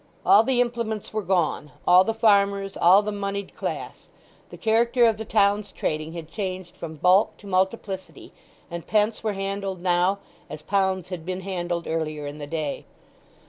All the implements were gone; all the farmers; all the moneyed class. The character of the town's trading had changed from bulk to multiplicity and pence were handled now as pounds had been handled earlier in the day.